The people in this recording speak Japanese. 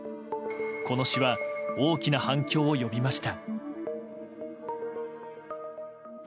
この詩は大きな反響を呼びました。